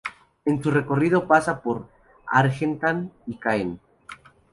En su recorrido pasa por Argentan y Caen.